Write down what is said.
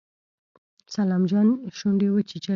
سلام جان شونډې وچيچلې.